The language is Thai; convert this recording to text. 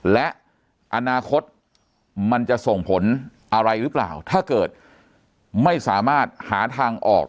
และอนาคตมันจะส่งผลอะไรหรือเปล่าถ้าเกิดไม่สามารถหาทางออก